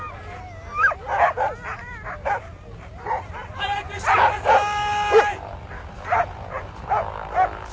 ・早くしてくださーい！